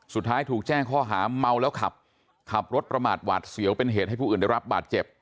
สุดท้ายถูกแจ้งข้อหาเมาแล้วขับขับรถประมาทหวาดเสียวเป็นเหตุให้ผู้อื่นได้รับบาดเจ็บ